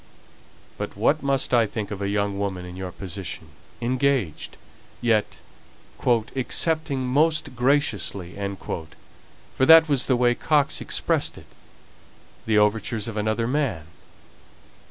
But what must I think of a young woman in your position, engaged yet 'accepting most graciously,' for that was the way Coxe expressed it the overtures of another man?